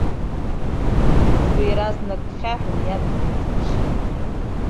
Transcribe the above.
Гәыӡба иаразнак дхьаҳәын, иаб днеизыԥшит.